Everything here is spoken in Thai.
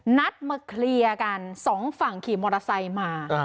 นัดมาเคลียร์กันสองฝั่งขี่มอเตอร์ไซค์มา